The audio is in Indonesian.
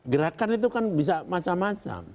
gerakan itu kan bisa macam macam